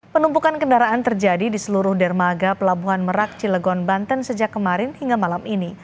penumpukan kendaraan terjadi di seluruh dermaga pelabuhan merak cilegon banten sejak kemarin hingga malam ini